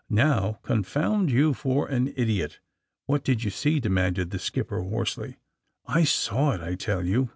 '*Now, confound you for an idiot! What did you see?" demanded the skipper, hoarsely. *'I saw it, I tell you!"